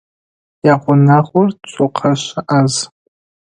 Ягъунэгъур цокъэшӏэ ӏаз.